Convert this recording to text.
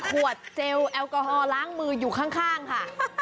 ขวดเจลแอลกอฮอลล้างมืออยู่ข้างค่ะ